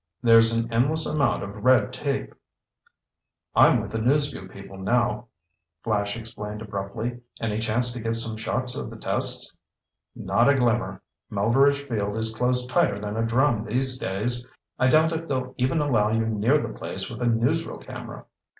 There's an endless amount of red tape." "I'm with the News Vue people now," Flash explained abruptly. "Any chance to get some shots of the tests?" "Not a glimmer. Melveredge Field is closed tighter than a drum these days. I doubt if they'll even allow you near the place with a newsreel camera."